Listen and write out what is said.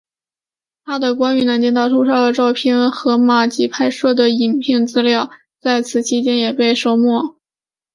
他的关于南京大屠杀的照片和马吉拍摄的影像资料与此期间也被没收。